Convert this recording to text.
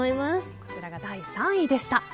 こちらが第３位でした。